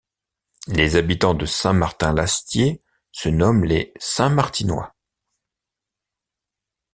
Les habitants de Saint-Martin-l'Astier se nomment les Saint-Martinois.